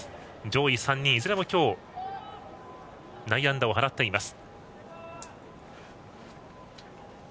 上位３人、いずれも今日内野安打を放っています。